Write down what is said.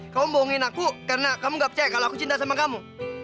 kamu ombongin aku karena kamu gak percaya kalau aku cinta sama kamu